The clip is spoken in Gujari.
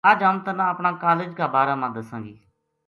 اج ہم تنا اپنا کالج کا بارہ ما دساں گی